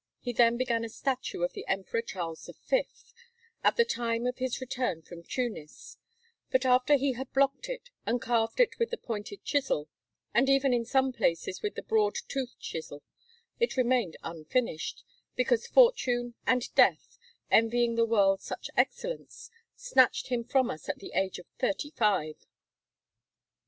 He then began a statue of the Emperor Charles V, at the time of his return from Tunis; but after he had blocked it and carved it with the pointed chisel, and even in some places with the broad toothed chisel, it remained unfinished, because fortune and death, envying the world such excellence, snatched him from us at the age of thirty five.